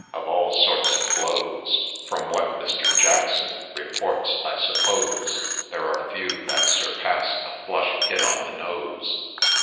— Of all sorts of blows, From what Mr. Jackson reports, I suppose There are few that surpass a flush hit on the nose.